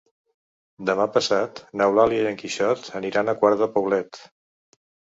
Demà passat n'Eulàlia i en Quixot aniran a Quart de Poblet.